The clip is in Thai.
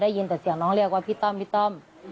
ได้ยินแต่เสียงน้องเรียกว่าพี่ต้อมพี่ต้อม